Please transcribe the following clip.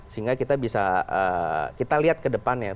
sehingga kita bisa kita lihat ke depannya